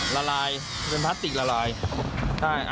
ละลายเป็นพลาสติกละลายใช่